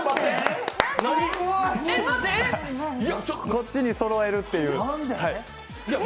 こっちにそろえるっていう。